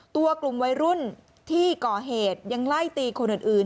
ตัวกลุ่มวัยรุ่นที่ก่อเหตุยังไล่ตีคนอื่น